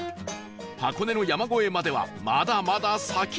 箱根の山越えまではまだまだ先